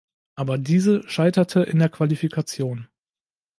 Aber diese scheiterte in der Qualifikation.